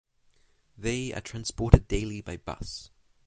They are transported daily by bus.